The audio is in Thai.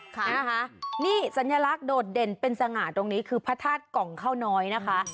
ค่ะนะคะนี่สัญลักษณ์โดดเด่นเป็นสง่าตรงนี้คือพระธาตุกล่องข้าวน้อยนะคะ